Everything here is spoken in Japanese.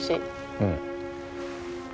うん。